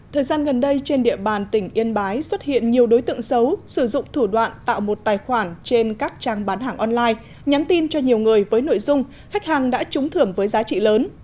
thời gian gần đây trên địa bàn tỉnh yên bái xuất hiện nhiều đối tượng xấu sử dụng thủ đoạn tạo một tài khoản trên các trang bán hàng online nhắn tin cho nhiều người với nội dung khách hàng đã trúng thưởng với giá trị lớn